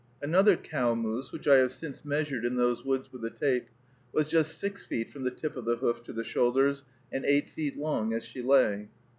Another cow moose, which I have since measured in those woods with a tape, was just six feet from the tip of the hoof to the shoulders, and eight feet long as she lay.